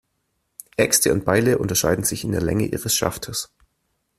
Äxte und Beile unterscheiden sich in der Länge ihres Schaftes.